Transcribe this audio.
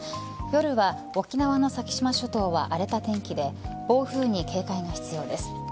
夜は沖縄の先島諸島は荒れた天気で暴風に警戒が必要です。